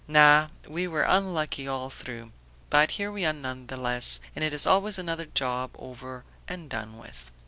No, we were unlucky all through. But here we are none the less, and it is always another job over and done with."